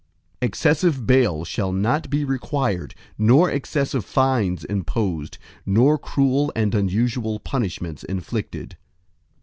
VIII Excessive bail shall not be required nor excessive fines imposed, nor cruel and unusual punishments inflicted.